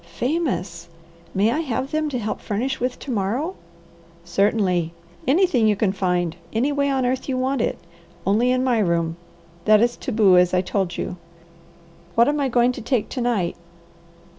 "Famous! May I have them to help furnish with to morrow?" "Certainly! Anything you can find, any way on earth you want it, only in my room. That is taboo, as I told you. What am I going to take to night?"